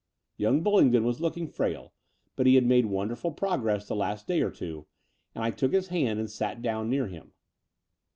Young Bullingdon was looking frail, but he had made wonderful progress the last day or two; and I took his hand and sat down near him.